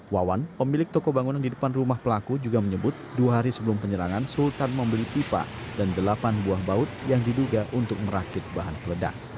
wawan pemilik toko bangunan di depan rumah pelaku juga menyebut dua hari sebelum penyerangan sultan membeli pipa dan delapan buah baut yang diduga untuk merakit bahan peledak